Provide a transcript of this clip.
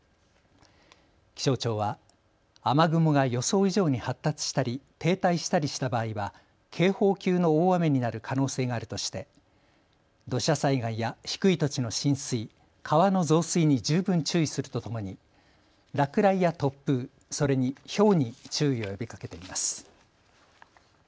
気象庁は雨雲が予想以上に発達したり停滞したりした場合は警報級の大雨になる可能性があるとして土砂災害や低い土地の浸水、川の増水に十分注意するとともに落雷や突風、それにひょうに注意を呼びかけています。